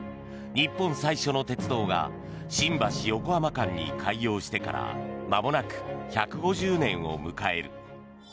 日本最初の鉄道が新橋横浜間に開業してからまもなく１５０年を迎える。